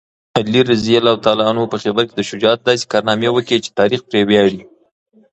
علي رض په خیبر کې د شجاعت داسې کارنامې وکړې چې تاریخ پرې ویاړي.